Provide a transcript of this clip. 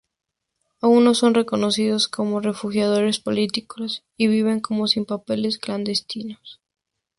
Aún no son reconocidos como refugiados políticos y viven como sin papeles clandestinos.